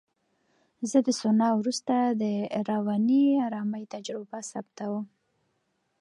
زه د سونا وروسته د رواني آرامۍ تجربه ثبتوم.